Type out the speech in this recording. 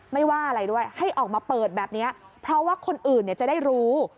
ไม่ว่าอะไรด้วยให้ออกมาเปิดแบบนี้เพราะว่าคนอื่นจะได้รู้